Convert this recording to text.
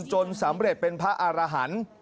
จนสำเร็จเป็นพระอารหันต์